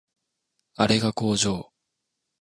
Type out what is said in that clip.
あれが工場